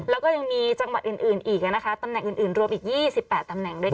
แล้วก็ยังมีจังหวัดอื่นอีกนะคะตำแหน่งอื่นรวมอีก๒๘ตำแหน่งด้วยกัน